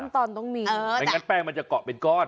ในการเต็มมันจะเกาะเป็นก้อน